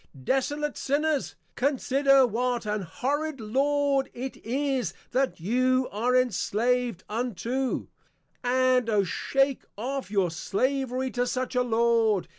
Desolate Sinners, consider what an horrid Lord it is that you are Enslav'd unto; and Oh shake off your Slavery to such a Lord.